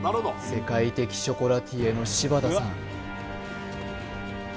世界的ショコラティエの柴田さん